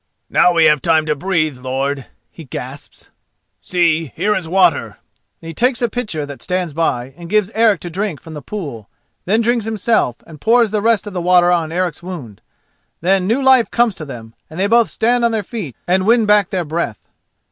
"Now we have time to breathe, lord," he gasps. "See, here is water," and he takes a pitcher that stands by, and gives Eric to drink from the pool, then drinks himself and pours the rest of the water on Eric's wound. Then new life comes to them, and they both stand on their feet and win back their breath.